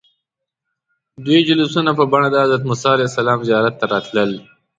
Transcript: دوی جلوسونه په بڼه د حضرت موسى علیه السلام زیارت ته راتلل.